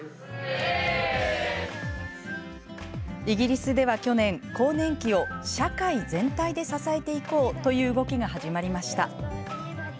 イギリスでは、去年更年期を社会全体で支えていこうという動きが始まりました。